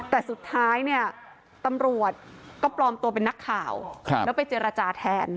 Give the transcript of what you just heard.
แต่สุดท้ายเนี่ยตำรวจก็ปลอมตัวเป็นนักข่าวแล้วไปเจรจาแทน